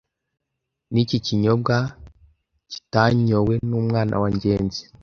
Niki kinyobwa cyitanyowe n' umwana wa Ngenzi